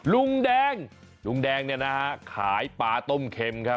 ลุงแดงนะฮะลุงแดงขายปลาต้มเค็ม